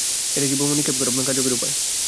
এটাই কি বোমা নিক্ষেপ করার কার্যকরী উপায়?